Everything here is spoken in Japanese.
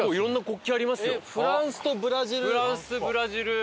フランスブラジル。